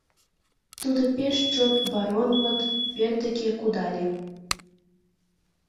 Тудо пеш чот баронмыт пӧрт деке кудале.